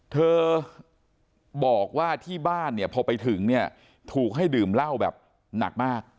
เธอบอกว่าที่บ้านเนี่ยพอไปถึงเนี่ยถูกให้ดื่มเหล้าแบบหนักมาก